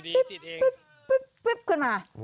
ปิ๊บขึ้นมา